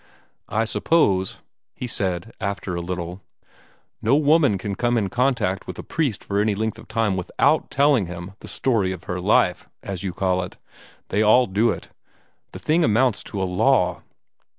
"I suppose," he said after a little, "no woman can come in contact with a priest for any length of time WITHOUT telling him the 'story of her life,' as you call it. They all do it. The thing amounts to a law."